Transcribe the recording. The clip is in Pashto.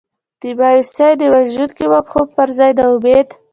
د مایوسۍ د وژونکي مفهوم پر ځای د امید.